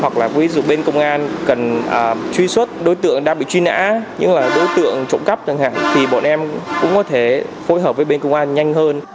công an cần truy xuất đối tượng đang bị truy nã như là đối tượng trộm cắp chẳng hạn thì bọn em cũng có thể phối hợp với bên công an nhanh hơn